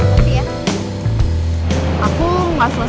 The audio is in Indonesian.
dua dari kanak kanak kuliah